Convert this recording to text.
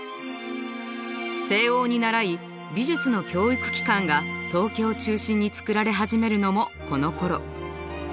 西欧に倣い美術の教育機関が東京中心に作られ始めるのもこのころ。